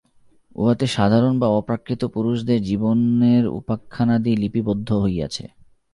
উহাতে সাধারণ বা অপ্রাকৃত পুরুষদের জীবনের উপাখ্যানাদি লিপিবদ্ধ হইয়াছে।